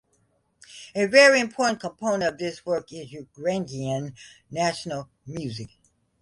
A very important component of this work is Ukrainian national music.